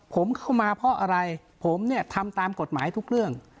ผมเข้ามาเพราะอะไรผมเนี่ยทำตามกฎหมายทุกเรื่อง